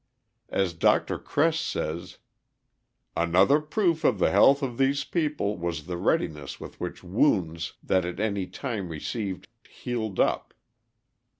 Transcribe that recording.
As Dr. Kress says: "Another proof of the health of these people was the readiness with which wounds they at any time received healed up.